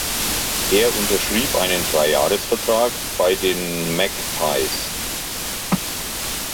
Er unterschrieb einen Drei-Jahres-Vertrag bei den "Magpies".